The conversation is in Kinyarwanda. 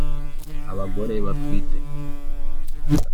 Abagore batwite